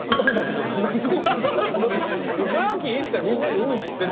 っつったらみんなが「うん」っつってた。